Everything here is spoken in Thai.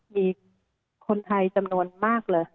มีคนไทยจำนวนมากเลย